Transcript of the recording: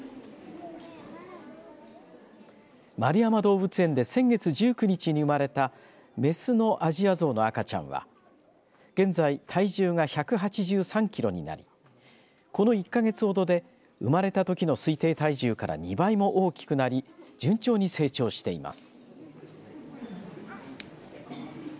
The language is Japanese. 円山動物園で先月１９日に生まれた雌のアジアゾウの赤ちゃんは現在、体重が１８３キロになりこの１か月ほどで生まれたときの推定体重から２倍も大きくなり順調に成長しています。